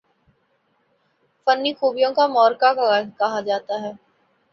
فنی خوبیوں کا مرقع کہا جاتا ہے